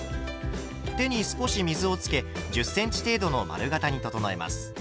手に少し水をつけ１０ｃｍ程度の丸形に整えます。